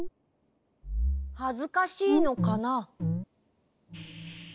はずかしいのかな？